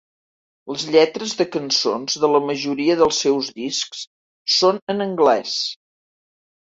Les lletres de cançons de la majoria dels seus discs són en anglès.